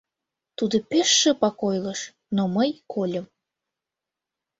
Тудо пеш шыпак ойлыш, но мый кольым.